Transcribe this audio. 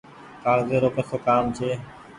ڪآگزي رو ڪسو ڪآم ڇي ۔